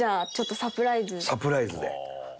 サプライズで。